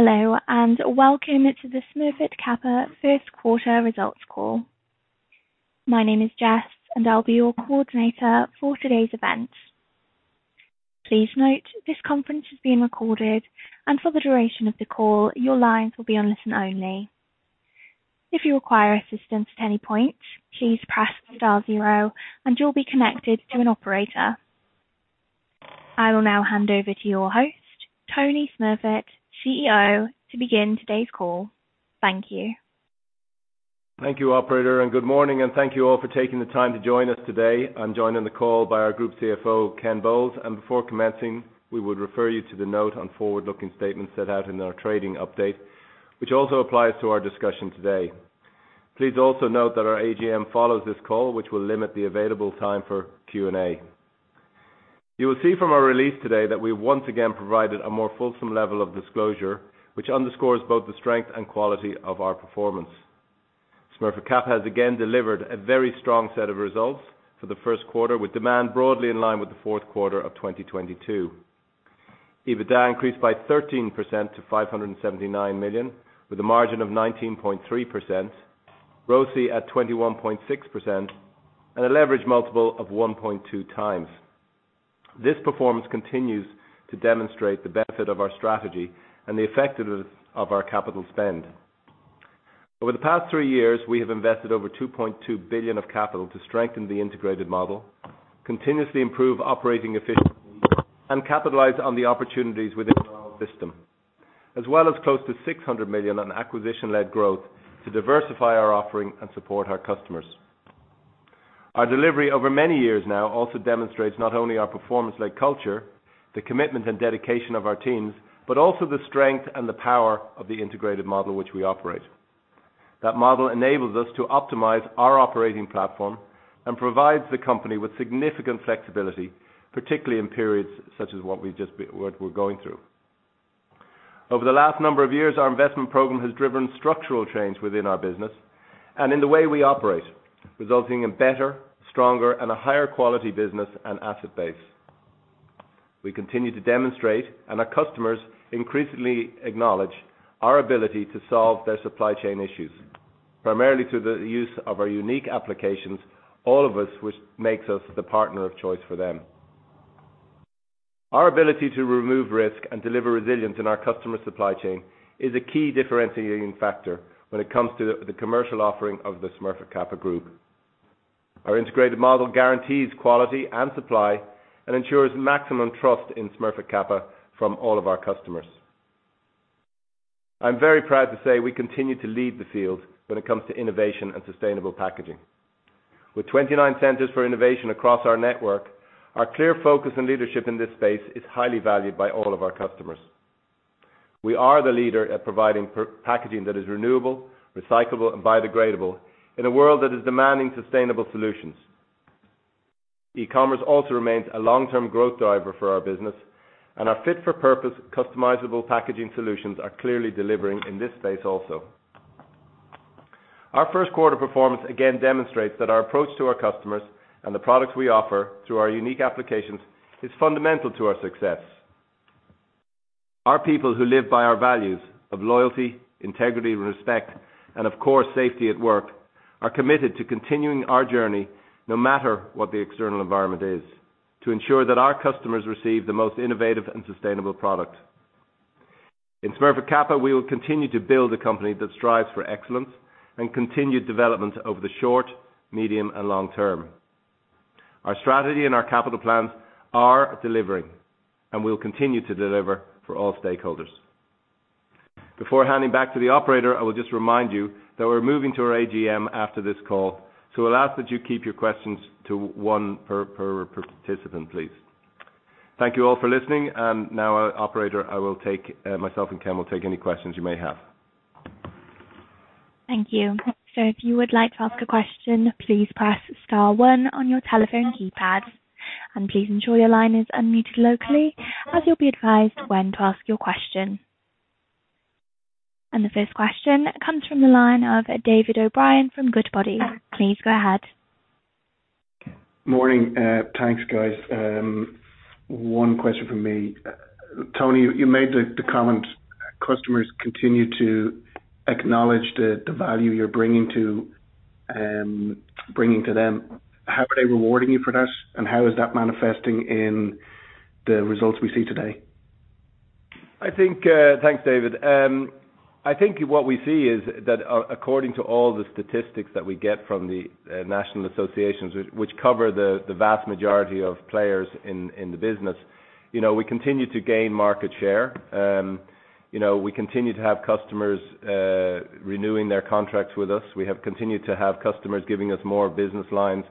Hello, welcome to the Smurfit Kappa first quarter results call. My name is Jess, I'll be your coordinator for today's event. Please note this conference is being recorded, for the duration of the call, your lines will be on listen only. If you require assistance at any point, please press star zero you'll be connected to an operator. I will now hand over to your host, Tony Smurfit, CEO, to begin today's call. Thank you. Thank you, operator. Good morning, and thank you all for taking the time to join us today. I'm joined on the call by our Group CFO, Ken Bowles. Before commencing, we would refer you to the note on forward-looking statements set out in our trading update, which also applies to our discussion today. Please also note that our AGM follows this call, which will limit the available time for Q&A. You will see from our release today that we've once again provided a more fulsome level of disclosure, which underscores both the strength and quality of our performance. Smurfit Kappa has again delivered a very strong set of results for the first quarter, with demand broadly in line with the fourth quarter of 2022. EBITDA increased by 13% to 579 million, with a margin of 19.3%, ROCE at 21.6%, and a leverage multiple of 1.2x. This performance continues to demonstrate the benefit of our strategy and the effectiveness of our capital spend. Over the past 3 years, we have invested over 2.2 billion of capital to strengthen the integrated model, continuously improve operating efficiency, and capitalize on the opportunities within our system, as well as close to 600 million on acquisition-led growth to diversify our offering and support our customers. Our delivery over many years now also demonstrates not only our performance-led culture, the commitment and dedication of our teams, but also the strength and the power of the integrated model which we operate. That model enables us to optimize our operating platform and provides the company with significant flexibility, particularly in periods such as what we're going through. Over the last number of years, our investment program has driven structural change within our business and in the way we operate, resulting in better, stronger, and a higher quality business and asset base. We continue to demonstrate, and our customers increasingly acknowledge, our ability to solve their supply chain issues, primarily through the use of our unique applications, all of us, which makes us the partner of choice for them. Our ability to remove risk and deliver resilience in our customer supply chain is a key differentiating factor when it comes to the commercial offering of the Smurfit Kappa Group. Our integrated model guarantees quality and supply and ensures maximum trust in Smurfit Kappa from all of our customers. I'm very proud to say we continue to lead the field when it comes to innovation and sustainable packaging. With 29 centers for innovation across our network, our clear focus and leadership in this space is highly valued by all of our customers. We are the leader at providing packaging that is renewable, recyclable, and biodegradable in a world that is demanding sustainable solutions. E-commerce also remains a long-term growth driver for our business, and our fit-for-purpose customizable packaging solutions are clearly delivering in this space also. Our first quarter performance again demonstrates that our approach to our customers and the products we offer through our unique applications is fundamental to our success. Our people, who live by our values of loyalty, integrity, respect, and of course, safety at work, are committed to continuing our journey no matter what the external environment is, to ensure that our customers receive the most innovative and sustainable product. In Smurfit Kappa, we will continue to build a company that strives for excellence and continued development over the short, medium, and long term. Our strategy and our capital plans are delivering and will continue to deliver for all stakeholders. Before handing back to the operator, I will just remind you that we're moving to our AGM after this call, so we'll ask that you keep your questions to one per participant, please. Thank you all for listening, and now, operator, I will take myself and Ken will take any questions you may have. Thank you. If you would like to ask a question, please press star one on your telephone keypad. Please ensure your line is unmuted locally as you'll be advised when to ask your question. The first question comes from the line of David O'Brien from Goodbody. Please go ahead. Morning. thanks, guys. one question from me. Tony, you made the comment customers continue to acknowledge the value you're bringing to them. How are they rewarding you for that? How is that manifesting in the results we see today? I think, thanks, David. I think what we see is that according to all the statistics that we get from the national associations which cover the vast majority of players in the business, you know, we continue to gain market share. You know, we continue to have customers renewing their contracts with us. We have continued to have customers giving us more business lines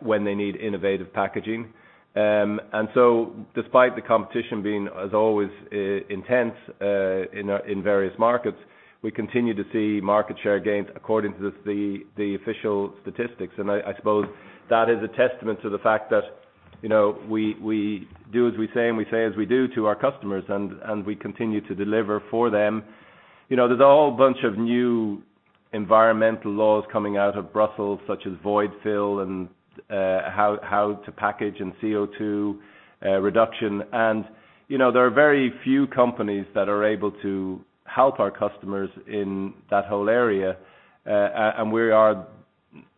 when they need innovative packaging. Despite the competition being as always intense in various markets, we continue to see market share gains according to the official statistics. I suppose that is a testament to the fact that, you know, we do as we say, and we say as we do to our customers and we continue to deliver for them. You know, there's a whole bunch of new environmental laws coming out of Brussels, such as void fill and how to package and CO2 reduction. You know, there are very few companies that are able to help our customers in that whole area. And we are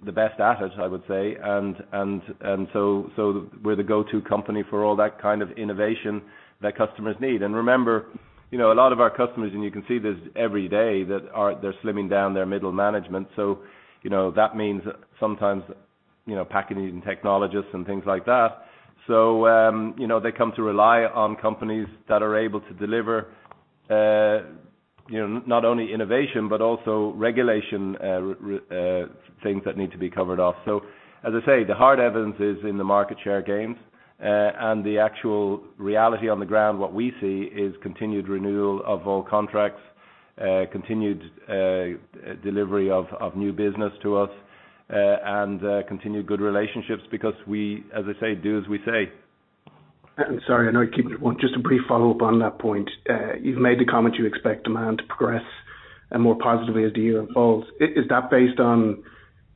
the best at it, I would say. We're the go-to company for all that kind of innovation that customers need. Remember, you know, a lot of our customers, and you can see this every day, they're slimming down their middle management. You know, that means sometimes, you know, packaging technologists and things like that. You know, they come to rely on companies that are able to deliver, you know, not only innovation, but also regulation, things that need to be covered off. As I say, the hard evidence is in the market share gains, and the actual reality on the ground, what we see is continued renewal of all contracts, continued delivery of new business to us, and continued good relationships because we, as I say, do as we say. Just a brief follow-up on that point. You've made the comment you expect demand to progress and more positively as the year evolves. Is that based on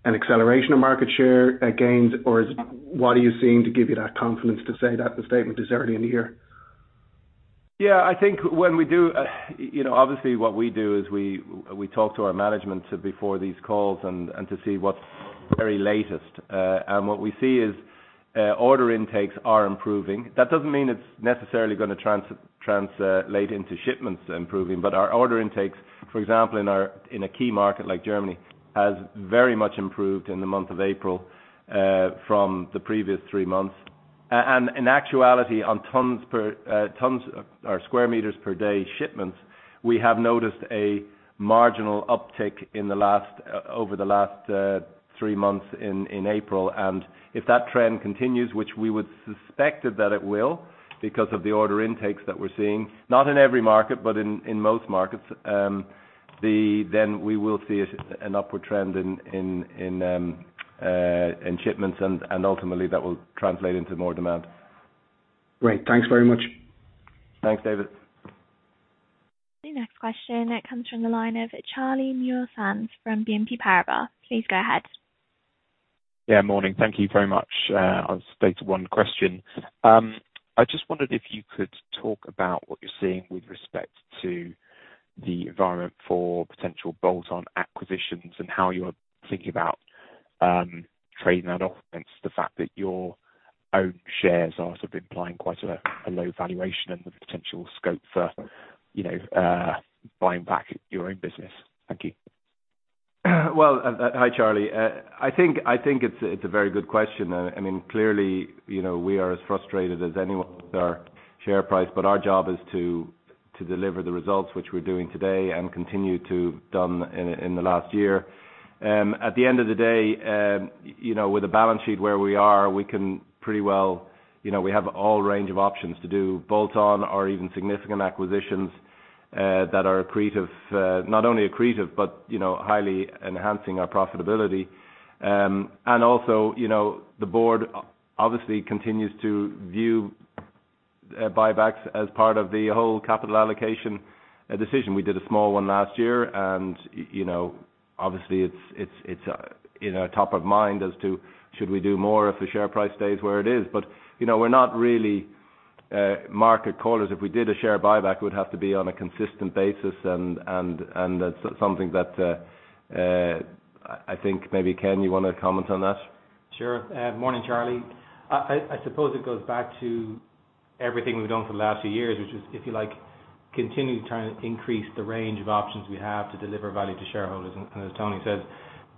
an acceleration of market share gains? What are you seeing to give you that confidence to say that the statement is early in the year? Yeah. I think when we do, you know, obviously what we do is we talk to our management before these calls and to see what's very latest. What we see is order intakes are improving. That doesn't mean it's necessarily gonna translate into shipments improving. Our order intakes, for example, in a key market like Germany, has very much improved in the month of April from the previous three months. In actuality, on tons per tons or square meters per day shipments, we have noticed a marginal uptick in the last over the last three months in April. If that trend continues, which we would suspect that it will, because of the order intakes that we're seeing, not in every market, but in most markets, then we will see it, an upward trend in shipments and ultimately that will translate into more demand. Great. Thanks very much. Thanks, David. The next question comes from the line of Charlie Muir-Sands from BNP Paribas. Please go ahead. Yeah. Morning. Thank you very much. I'll state one question. I just wondered if you could talk about what you're seeing with respect to the environment for potential bolt-on acquisitions and how you're thinking about trading that off against the fact that your own shares are sort of implying quite a low valuation and the potential scope for, you know, buying back your own business. Thank you. Hi, Charlie. I think it's a very good question. I mean, clearly, you know, we are as frustrated as anyone with our share price, but our job is to deliver the results which we're doing today and continue to done in the last year. At the end of the day, you know, with the balance sheet where we are, we can pretty well... You know, we have all range of options to do bolt-on or even significant acquisitions, that are accretive. Not only accretive but, you know, highly enhancing our profitability. Also, you know, the board obviously continues to view, buybacks as part of the whole capital allocation, a decision. We did a small one last year, you know, obviously it's, it's, you know, top of mind as to should we do more if the share price stays where it is. You know, we're not really, market callers. If we did a share buyback, it would have to be on a consistent basis, and that's something that. I think maybe, Ken, you wanna comment on that? Sure. Morning, Charlie. I suppose it goes back to everything we've done for the last few years, which is, if you like, continuing to try and increase the range of options we have to deliver value to shareholders. As Tony said,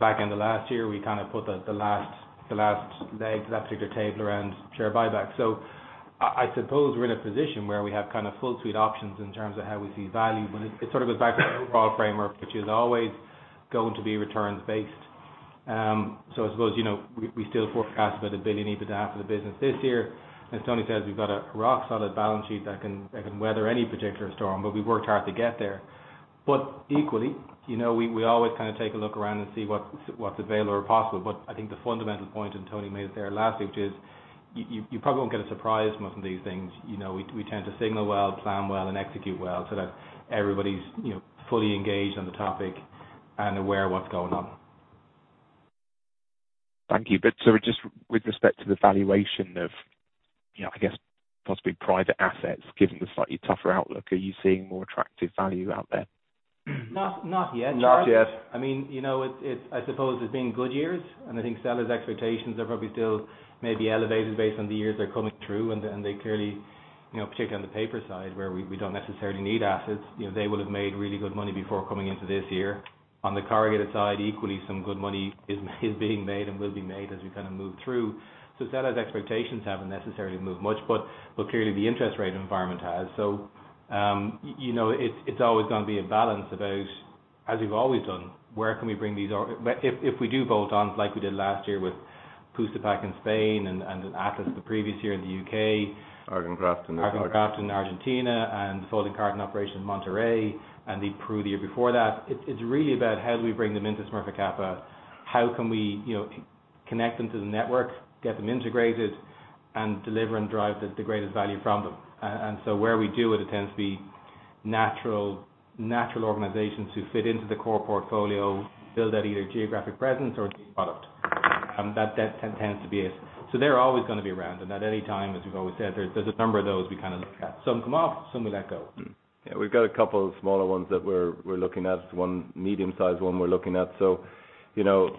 back in the last year, we kind of put the last leg to that particular table around share buyback. I suppose we're in a position where we have kind of full suite options in terms of how we see value, but it sort of goes back to the overall framework, which is always going to be returns based. I suppose, you know, we still forecast about 1 billion EBITDA for the business this year. As Tony says, we've got a rock solid balance sheet that can weather any particular storm, but we worked hard to get there. Equally, you know, we always kind of take a look around and see what's available or possible. I think the fundamental point, and Tony made it there last week, which is you probably won't get a surprise most of these things. You know, we tend to signal well, plan well, and execute well so that everybody's, you know, fully engaged on the topic and aware of what's going on. Thank you. Just with respect to the valuation of, you know, I guess possibly private assets, given the slightly tougher outlook, are you seeing more attractive value out there? Not, not yet, Charlie. Not yet. I mean, you know, it's, I suppose it's been good years, and I think sellers' expectations are probably still maybe elevated based on the years they're coming through. They clearly, you know, particularly on the paper side where we don't necessarily need assets, you know, they would have made really good money before coming into this year. On the corrugated side, equally, some good money is being made and will be made as we kind of move through. Sellers' expectations haven't necessarily moved much, but clearly the interest rate environment has. You know, it's always gonna be a balance about, as we've always done, where can we bring these or. If we do bolt-ons like we did last year with Pusa Pack in Spain and Atlas the previous year in the U.K.- Argencrat in Argentina. Argencrat in Argentina and the folding carton operation in Monterrey and Peru the year before that, it's really about how do we bring them into Smurfit Kappa, how can we, you know, connect them to the network, get them integrated, and deliver and drive the greatest value from them. Where we do it tends to be natural organizations who fit into the core portfolio, build out either geographic presence or product. That tends to be it. They're always gonna be around. At any time, as we've always said, there's a number of those we kind of look at. Some come off, some we let go. Yeah, we've got a couple of smaller ones that we're looking at. One medium-sized one we're looking at. You know,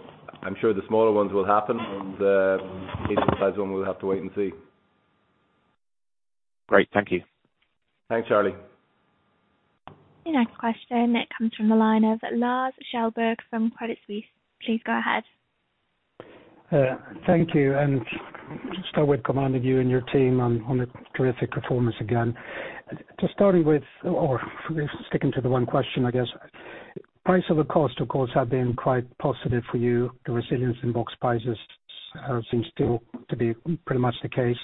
I'm sure the smaller ones will happen. Medium-sized one, we'll have to wait and see. Great. Thank you. Thanks, Charlie. The next question comes from the line of Lars Kjellberg from Credit Suisse. Please go ahead. Thank you. Just start with commending you and your team on a terrific performance again. Just sticking to the one question, I guess. Price over cost, of course, have been quite positive for you. The resilience in box prices seems still to be pretty much the case.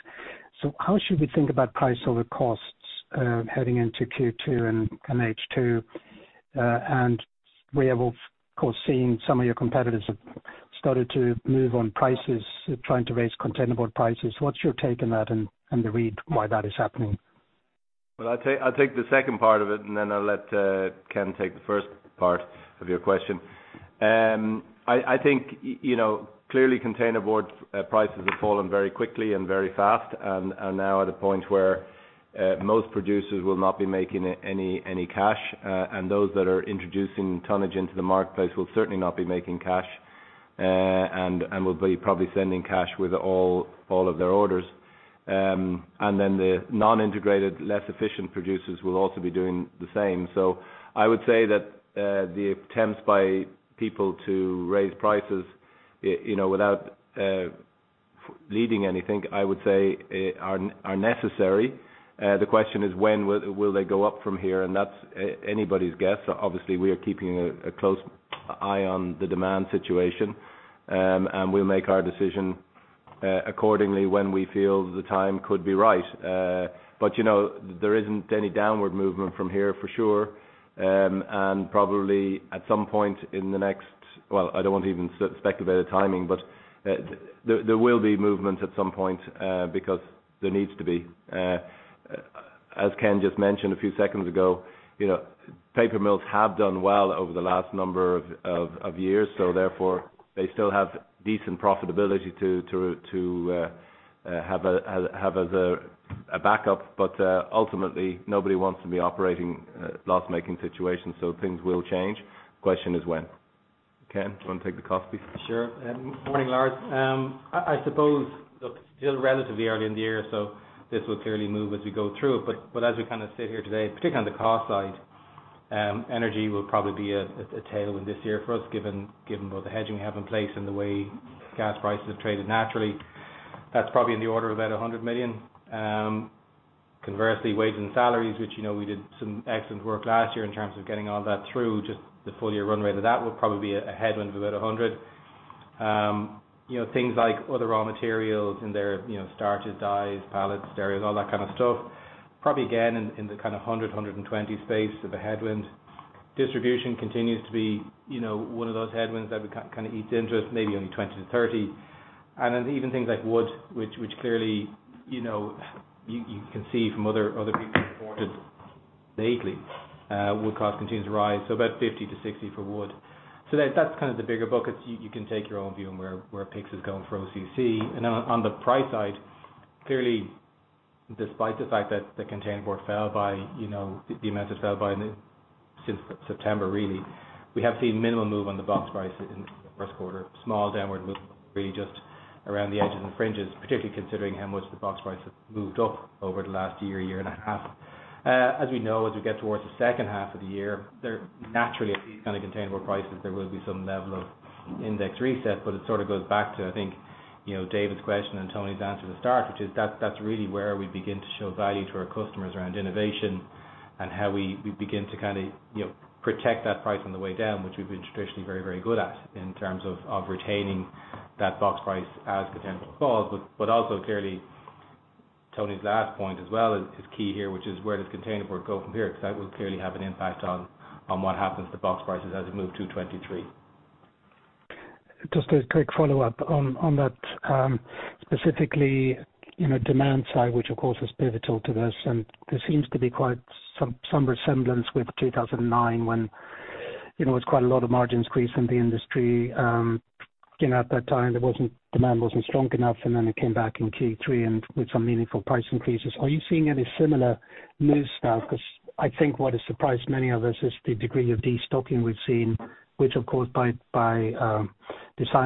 How should we think about price over costs heading into Q2 and H2? We have of course seen some of your competitors have started to move on prices, trying to raise containerboard prices. What's your take on that and the read why that is happening? I'll take the second part of it, and then I'll let Ken take the first part of your question. I think, you know, clearly containerboard prices have fallen very quickly and very fast and are now at a point where most producers will not be making any cash. Those that are introducing tonnage into the marketplace will certainly not be making cash, and will be probably sending cash with all of their orders. The non-integrated, less efficient producers will also be doing the same. I would say that the attempts by people to raise prices, you know, without leading anything, I would say, are necessary. The question is when will they go up from here? That's anybody's guess. Obviously, we are keeping a close eye on the demand situation, and we'll make our decision accordingly when we feel the time could be right. You know, there isn't any downward movement from here for sure. Probably at some point in the next... Well, I don't want to even speculate a timing, but there will be movement at some point because there needs to be. As Ken just mentioned a few seconds ago, you know, paper mills have done well over the last number of years, therefore they still have decent profitability to have as a backup. Ultimately, nobody wants to be operating a loss-making situation, so things will change. Question is when? Ken, do you want to take the cost piece? Sure. Morning, Lars. I suppose, look, it's still relatively early in the year, so this will clearly move as we go through it. As we kind of sit here today, particularly on the cost side, energy will probably be a tailwind this year for us, given both the hedging we have in place and the way gas prices have traded naturally. That's probably in the order of about 100 million. Conversely, wages and salaries, which, you know, we did some excellent work last year in terms of getting all that through. Just the full year run rate of that will probably be a headwind of about 100. You know, things like other raw materials in there, you know, starches, dyes, pallets, stearates, all that kind of stuff. Probably again in the kind of 100-120 space of a headwind. Distribution continues to be, you know, one of those headwinds that kind of eats into us, maybe only 20-30. Even things like wood, which clearly, you know, you can see from other people reported lately, wood cost continues to rise, so about 50-60 for wood. That, that's kind of the bigger book. It's you can take your own view on where PIX is going for OCC. On the price side, clearly, despite the fact that the containerboard fell by, you know, the amount it fell by since September, really, we have seen minimal move on the box price in the first quarter. Small downward movement really just around the edges and fringes, particularly considering how much the box price has moved up over the last year and a half. As we know, as we get towards the second half of the year, there naturally at these kind of containerboard prices, there will be some level of index reset. It sort of goes back to, I think, you know, David's question and Tony's answer at the start, which is that's really where we begin to show value to our customers around innovation and how we begin to kind of, you know, protect that price on the way down, which we've been traditionally very, very good at in terms of retaining that box price as containerboard falls. Also clearly Tony's last point as well is key here, which is where does containerboard go from here? That will clearly have an impact on what happens to box prices as we move to 2023. Just a quick follow-up on that. Specifically, you know, demand side, which of course is pivotal to this, and there seems to be quite some resemblance with 2009 when, you know, it was quite a lot of margin squeeze in the industry. You know, at that time, demand wasn't strong enough, and then it came back in Q3 and with some meaningful price increases. Are you seeing any similar moves now? Because I think what has surprised many of us is the degree of destocking we've seen, which of course by design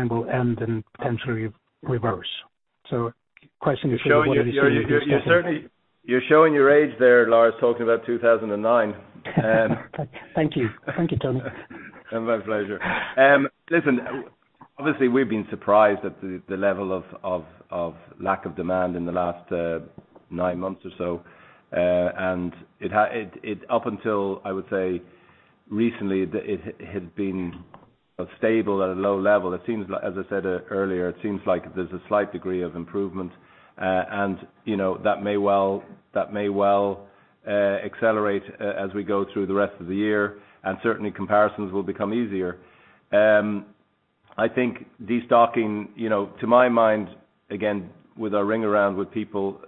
will end and potentially reverse. Question is really what are you seeing with destocking? You're showing your age there, Lars, talking about 2009. Thank you. Thank you, Tony. My pleasure. Listen, obviously we've been surprised at the level of lack of demand in the last 9 months or so. Up until I would say recently, it had been stable at a low level. It seems like. As I said earlier, it seems like there's a slight degree of improvement. You know, that may well accelerate as we go through the rest of the year, and certainly comparisons will become easier. I think destocking, you know, to my mind, again, with our ring around with people,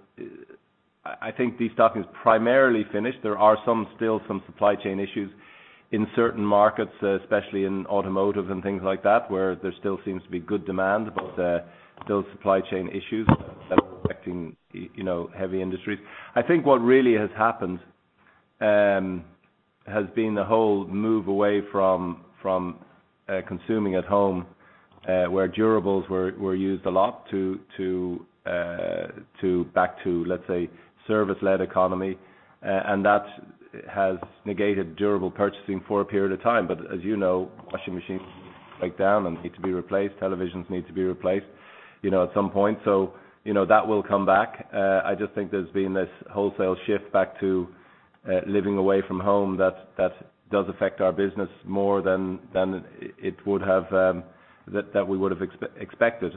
I think destocking is primarily finished. There are still some supply chain issues in certain markets, especially in automotive and things like that, where there still seems to be good demand, but still supply chain issues that are affecting, you know, heavy industries. I think what really has happened has been the whole move away from consuming at home, where durables were used a lot to back to, let's say, service-led economy. That has negated durable purchasing for a period of time. As you know, washing machines break down and need to be replaced, televisions need to be replaced, you know, at some point. You know, that will come back. I just think there's been this wholesale shift back to living away from home that does affect our business more than it would have that we would have expected.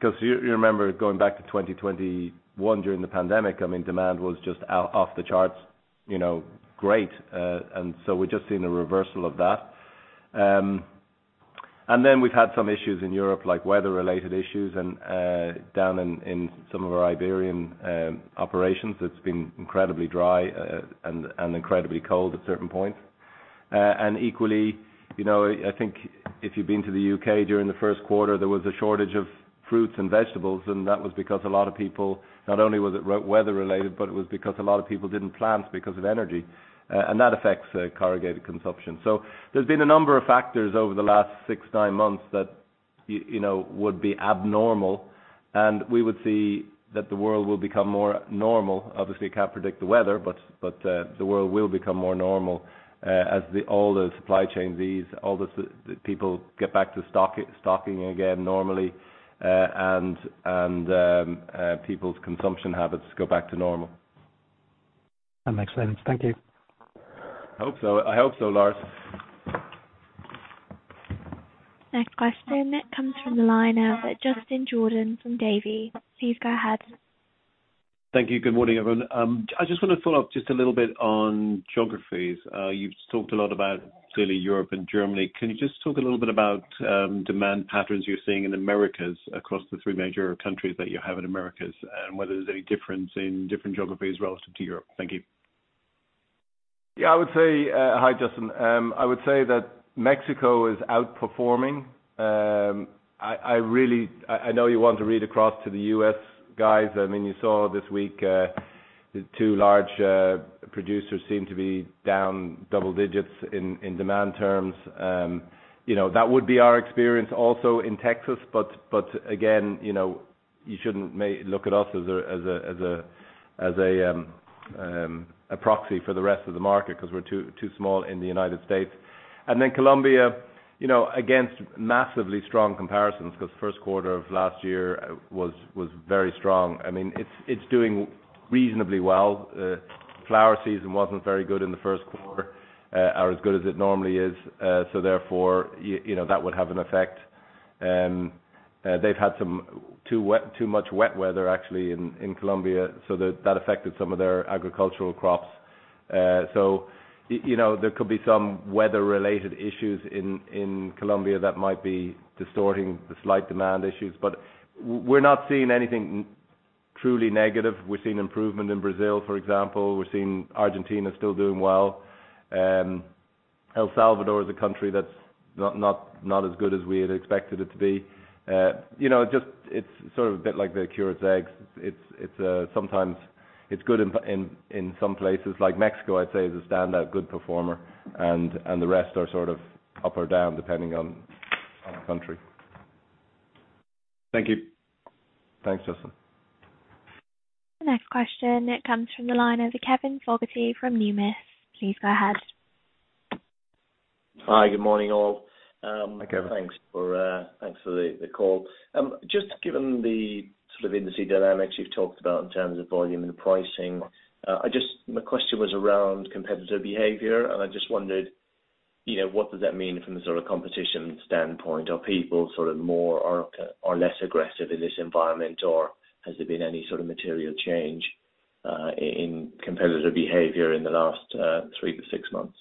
'Cause you remember going back to 2021 during the pandemic, I mean, demand was just out, off the charts, you know, great. So we're just seeing a reversal of that. Then we've had some issues in Europe, like weather-related issues and down in some of our Iberian operations. It's been incredibly dry and incredibly cold at certain points. Equally, you know, I think if you've been to the UK during the first quarter, there was a shortage of fruits and vegetables, and that was because a lot of people, not only was it weather related, but it was because a lot of people didn't plant because of energy, and that affects corrugated consumption. There's been a number of factors over the last six, nine months that, you know, would be abnormal, and we would see that the world will become more normal. Obviously, can't predict the weather, but the world will become more normal as all the supply chain ease, all the people get back to stock, stocking again normally, and people's consumption habits go back to normal. That makes sense. Thank you. I hope so. I hope so, Lars. Next question comes from the line of Justin Jordan from Davy. Please go ahead. Thank you. Good morning, everyone. I just wanna follow up just a little bit on geographies. You've talked a lot about clearly Europe and Germany. Can you just talk a little bit about demand patterns you're seeing in Americas across the three major countries that you have in Americas, and whether there's any difference in different geographies relative to Europe? Thank you. Yeah, I would say, Hi, Justin. I would say that Mexico is outperforming. I know you want to read across to the U.S., guys. I mean, you saw this week, 2 large producers seem to be down double digits in demand terms. You know, that would be our experience also in Texas. But again, you know, you shouldn't may look at us as a proxy for the rest of the market 'cause we're too small in the United States. Colombia, you know, against massively strong comparisons, 'cause first quarter of last year was very strong. I mean, it's doing reasonably well. Flower season wasn't very good in the first quarter, or as good as it normally is. Therefore, you know, that would have an effect. They've had some too wet, too much wet weather actually in Colombia, so that affected some of their agricultural crops. You know, there could be some weather-related issues in Colombia that might be distorting the slight demand issues. We're not seeing anything truly negative. We're seeing improvement in Brazil, for example. We're seeing Argentina still doing well. El Salvador is a country that's not as good as we had expected it to be. You know, just... it's sort of a bit like the cured eggs. It's, sometimes it's good in some places like Mexico, I'd say, is a standout good performer, and the rest are sort of up or down, depending on the country. Thank you. Thanks, Justin. The next question comes from the line of Kevin Fogarty from Numis. Please go ahead. Hi. Good morning, all. Hi, Kevin. Thanks for, thanks for the call. Just given the sort of industry dynamics you've talked about in terms of volume and pricing, My question was around competitor behavior. I just wondered, you know, what does that mean from the sort of competition standpoint? Are people sort of more or less aggressive in this environment, or has there been any sort of material change in competitor behavior in the last three to six months?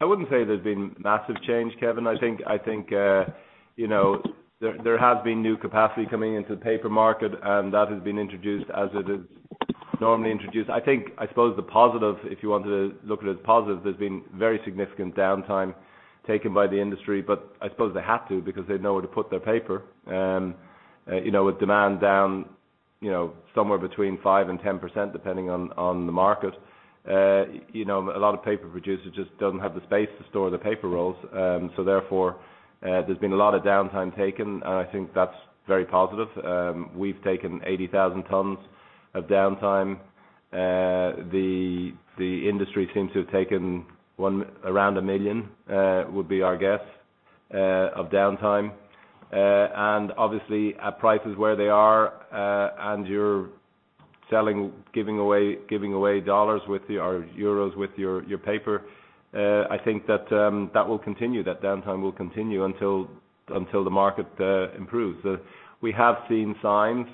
I wouldn't say there's been massive change, Kevin. I think, you know, there has been new capacity coming into the paper market, and that has been introduced as it is normally introduced. I think, I suppose the positive, if you wanted to look at it as positive, there's been very significant downtime taken by the industry, but I suppose they have to because they have nowhere to put their paper. You know, with demand down somewhere between 5% and 10%, depending on the market. You know, a lot of paper producers just doesn't have the space to store the paper rolls. Therefore, there's been a lot of downtime taken, and I think that's very positive. We've taken 80,000 tons of downtime. The industry seems to have taken around 1 million would be our guess of downtime. Obviously at prices where they are, and you're selling, giving away dollars with your or euros with your paper. I think that will continue. That downtime will continue until the market improves. We have seen signs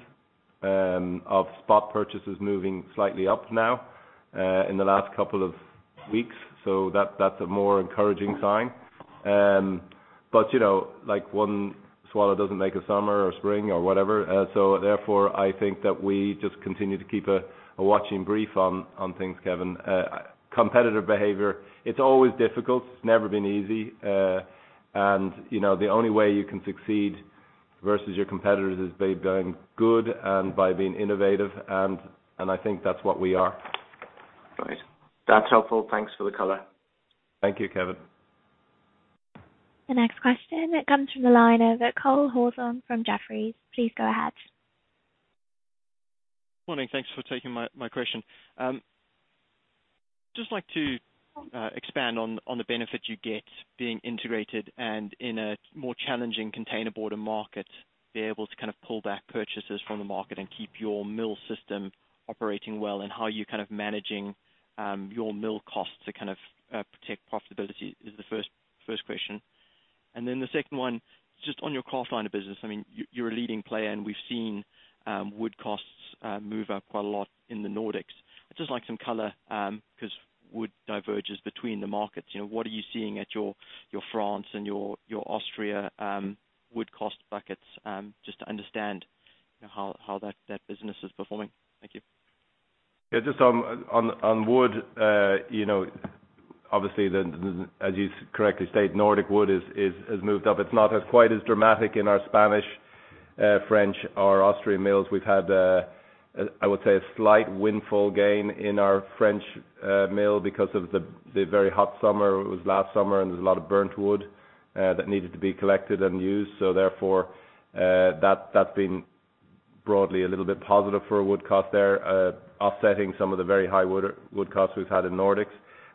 of spot purchases moving slightly up now in the last couple of weeks. That's a more encouraging sign. You know, like one swallow doesn't make a summer or spring or whatever. Therefore, I think that we just continue to keep a watching brief on things, Kevin. Competitive behavior, it's always difficult. It's never been easy. You know, the only way you can succeed versus your competitors is by doing good and by being innovative, and I think that's what we are. Right. That's helpful. Thanks for the color. Thank you, Kevin. The next question comes from the line of Cole Hathorn from Jefferies. Please go ahead. Morning. Thanks for taking my question. just like to expand on the benefit you get being integrated and in a more challenging containerboard of market, be able to kind of pull back purchases from the market and keep your mill system operating well. How you kind of managing your mill costs to kind of protect profitability is the first question. The second one, just on your cross line of business. I mean, you're a leading player, and we've seen wood costs move up quite a lot in the Nordics. I'd just like some color 'cause wood diverges between the markets. You know, what are you seeing at your France and your Austria wood cost buckets just to understand how that business is performing? Thank you. Just on wood. you know, obviously, as you correctly state, Nordic wood is has moved up. It's not as quite as dramatic in our Spanish, French or Austrian mills. We've had, I would say, a slight windfall gain in our French mill because of the very hot summer. It was last summer, there's a lot of burnt wood that needed to be collected and used. Therefore, that's been broadly a little bit positive for wood cost there, offsetting some of the very high wood costs we've had in Nordics.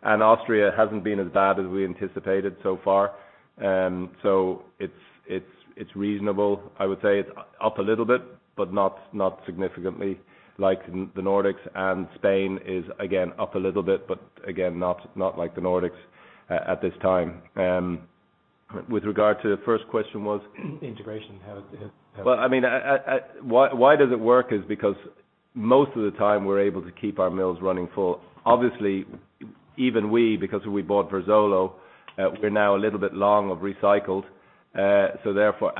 Austria hasn't been as bad as we anticipated so far. It's reasonable. I would say it's up a little bit, but not significantly like the Nordics and Spain is again, up a little bit, but again, not like the Nordics at this time. With regard to the first question was? Integration. How. Well, I mean, why does it work is because most of the time we're able to keep our mills running full. Obviously, even we, because we bought Verzuolo, we're now a little bit long of recycled. Therefore,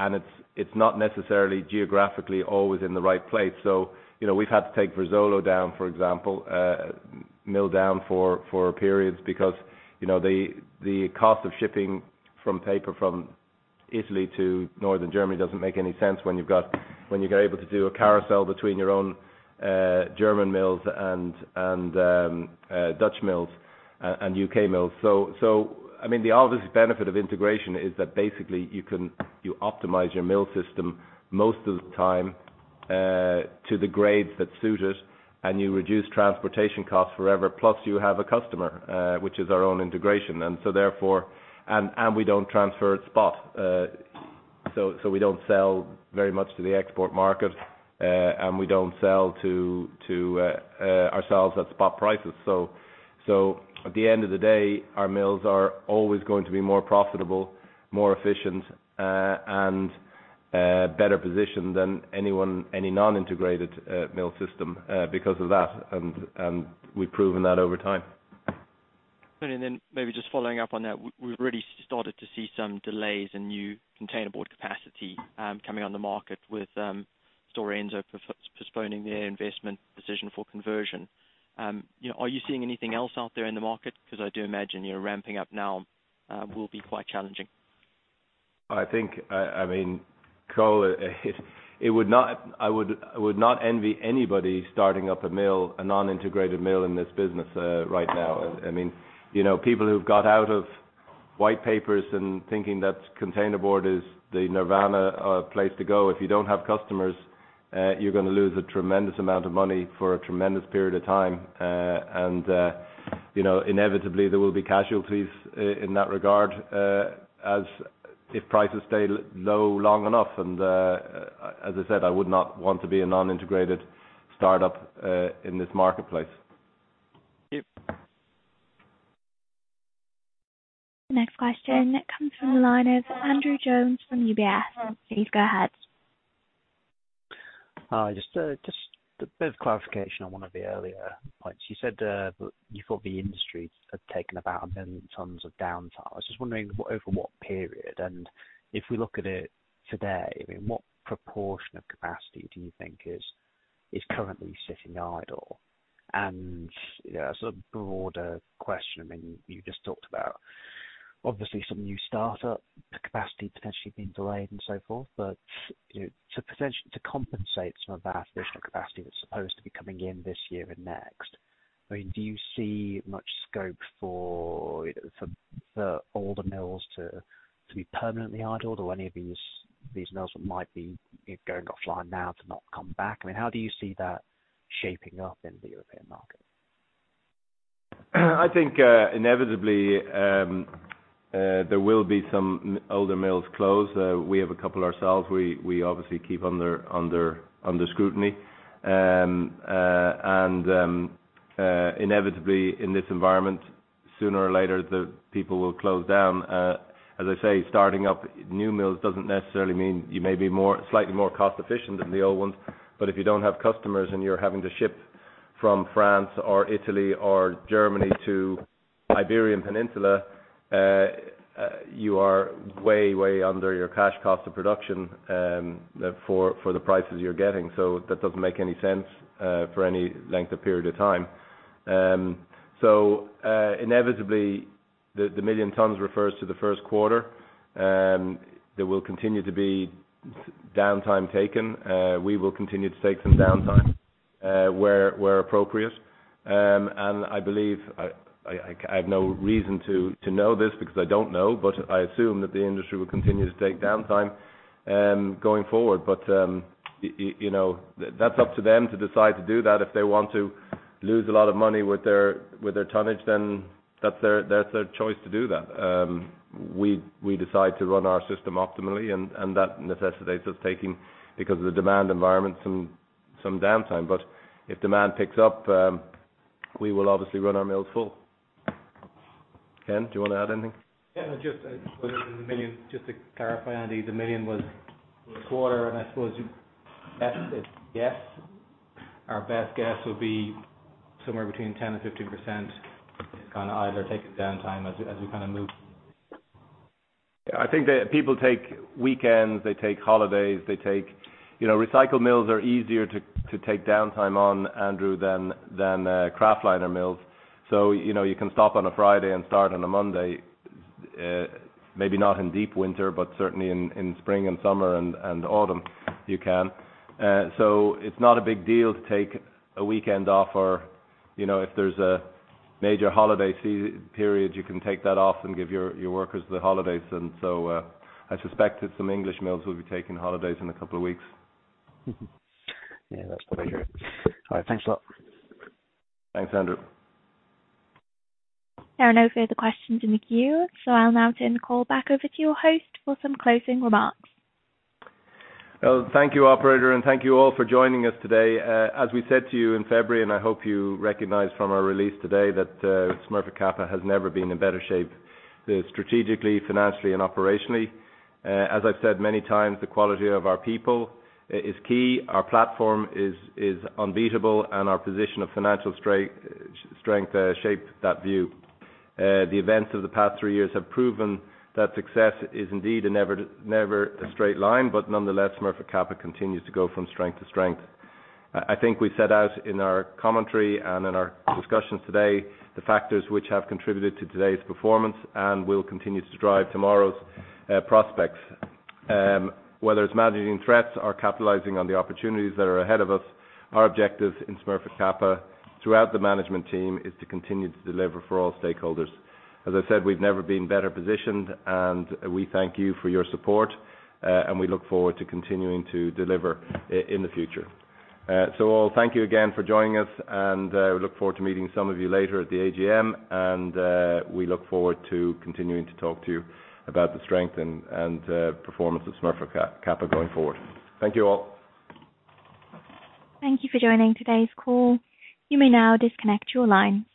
it's not necessarily geographically always in the right place. You know, we've had to take Verzuolo down, for example, mill down for periods because, you know, the cost of shipping from paper from Italy to Northern Germany doesn't make any sense when you're able to do a carousel between your own German mills and Dutch mills and UK mills. I mean, the obvious benefit of integration is that basically you optimize your mill system most of the time to the grades that suit it, and you reduce transportation costs forever. You have a customer, which is our own integration. We don't transfer at spot. We don't sell very much to the export market, and we don't sell to ourselves at spot prices. At the end of the day, our mills are always going to be more profitable, more efficient, and better positioned than any non-integrated mill system because of that, and we've proven that over time. Maybe just following up on that. We've really started to see some delays in new containerboard capacity, coming on the market with Stora Enso postponing their investment position for conversion. You know, are you seeing anything else out there in the market? 'Cause I do imagine you're ramping up now, will be quite challenging. I think, I mean, Cole, I would not envy anybody starting up a mill, a non-integrated mill in this business, right now. I mean, you know, people who've got out of white papers and thinking that containerboard is the Nirvana place to go. If you don't have customers, you're gonna lose a tremendous amount of money for a tremendous period of time. You know, inevitably there will be casualties in that regard, as if prices stay low long enough. As I said, I would not want to be a non-integrated startup in this marketplace. Thank you. Next question comes from the line of Andrew Jones from UBS. Please go ahead. Hi, just a bit of clarification on one of the earlier points. You said, you thought the industry had taken about 1 million tons of downtime. I was just wondering over what period, and if we look at it today, I mean, what proportion of capacity do you think is currently sitting idle? As a broader question, I mean, you just talked about obviously some new startup capacity potentially being delayed and so forth. To compensate some of that additional capacity that's supposed to be coming in this year and next. I mean, do you see much scope for all the mills to be permanently idled or any of these mills that might be going offline now to not come back? I mean, how do you see that shaping up in the European market? I think, inevitably, there will be some older mills closed. We have a couple ourselves. We obviously keep under scrutiny. Inevitably in this environment, sooner or later, the people will close down. As I say, starting up new mills doesn't necessarily mean you may be slightly more cost efficient than the old ones, but if you don't have customers and you're having to ship from France or Italy or Germany to Iberian Peninsula, you are way under your cash cost of production for the prices you're getting. That doesn't make any sense for any length or period of time. Inevitably, the 1 million tons refers to the first quarter. There will continue to be downtime taken. We will continue to take some downtime where appropriate. I believe, I have no reason to know this because I don't know, but I assume that the industry will continue to take downtime going forward. You know, that's up to them to decide to do that. If they want to lose a lot of money with their tonnage, then that's their choice to do that. We decide to run our system optimally, and that necessitates us taking, because of the demand environment, some downtime. If demand picks up, we will obviously run our mills full. Ken, do you wanna add anything? Yeah, just the 1 million, just to clarify, Andy, the 1 million was quarter. Yes. Yes. Our best guess would be somewhere between 10% and 15% on either taking downtime as we kind of move. I think that people take weekends, they take holidays. You know, recycled mills are easier to take downtime on, Andrew, than kraftliner mills. You know, you can stop on a Friday and start on a Monday, maybe not in deep winter, but certainly in spring and summer and autumn, you can. It's not a big deal to take a weekend off or, you know, if there's a major holiday sea-period, you can take that off and give your workers the holidays. I suspect that some English mills will be taking holidays in 2 weeks. Yeah, that's what I hear. All right. Thanks a lot. Thanks, Andrew. There are no further questions in the queue. I'll now turn the call back over to your host for some closing remarks. Well, thank you, operator. Thank you all for joining us today. As we said to you in February, I hope you recognize from our release today that Smurfit Kappa has never been in better shape strategically, financially and operationally. As I've said many times, the quality of our people is key. Our platform is unbeatable. Our position of financial strength shaped that view. The events of the past three years have proven that success is indeed a never a straight line, nonetheless, Smurfit Kappa continues to go from strength to strength. I think we set out in our commentary and in our discussions today the factors which have contributed to today's performance and will continue to drive tomorrow's prospects. Whether it's managing threats or capitalizing on the opportunities that are ahead of us, our objective in Smurfit Kappa throughout the management team is to continue to deliver for all stakeholders. As I said, we've never been better positioned, and we thank you for your support, and we look forward to continuing to deliver in the future. I'll thank you again for joining us, and we look forward to meeting some of you later at the AGM, and we look forward to continuing to talk to you about the strength and performance of Smurfit Kappa going forward. Thank you all. Thank you for joining today's call. You may now disconnect your lines.